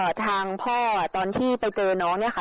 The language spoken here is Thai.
ทางพ่อตอนที่ไปเจอน้องเนี่ยค่ะ